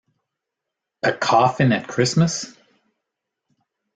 A coffin at Christmas!